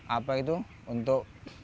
apa itu untuk